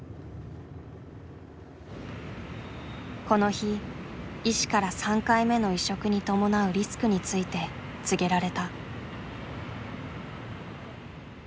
この日医師から３回目の移植に伴うリスクについて告げられた。